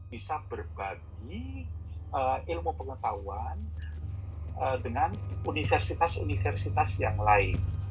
bisa berbagi ilmu pengetahuan dengan universitas universitas yang lain